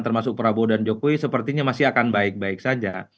termasuk prabowo dan jokowi sepertinya masih akan baik baik saja